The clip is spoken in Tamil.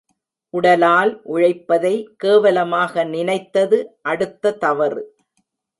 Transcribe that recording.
உடலால் உழைப்பதை கேவலமாக நினைத்தது அடுத்த தவறு.